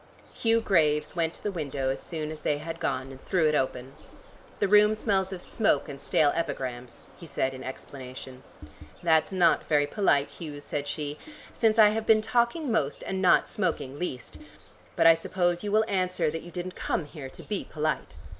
Hugh Graves went to the window as soon as they had gone and threw it open. "The room smells of smoke and stale epigrams," he said in explanation. "That's not very polite, Hugh," said she, "since I have been talking most, and not smoking least. But I suppose you will answer that you didn't come here to be polite."